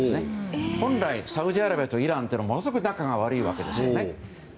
本来、サウジアラビアとイランというのはものすごく仲が悪いわけですね。